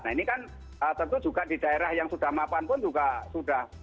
nah ini kan tentu juga di daerah yang sudah mapan pun juga sudah